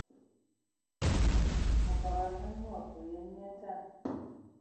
O bagǝdan ai mod, o yəməŋ nye ndan.